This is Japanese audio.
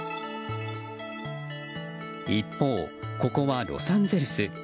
一方、ここはロサンゼルス。